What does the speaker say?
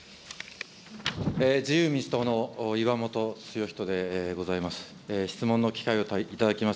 自由民主党の岩本剛人でございます。